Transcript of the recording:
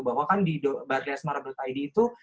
bahwa kan di barriya semarang id itu